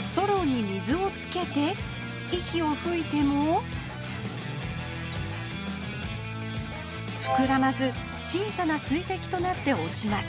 ストローに水をつけて息をふいてもふくらまず小さな水滴となって落ちます